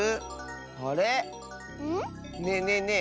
あれ⁉ねえねえねえ